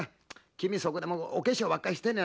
君そこでお化粧ばっかりしてんなや。